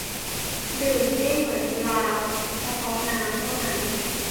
ดื่มให้เหมือนปลา เฉพาะน้ำเท่านั้น